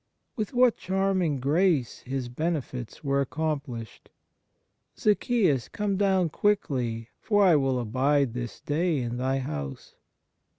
With what charming grace His benefits were accompanied !" Zacheus, come down quickly, for I will abide this day in thy house."